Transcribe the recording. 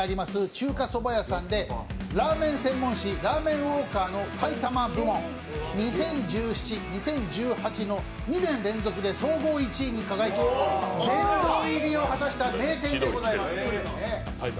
中華そば屋さんでラーメン専門誌「ラーメンＷａｌｋｅｒ」の埼玉部門、２０１７、２０１８の２年連続で綜合１位に輝き、殿堂入りを果たした名店でございます。